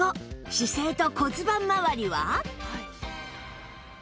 姿勢と骨盤まわりは？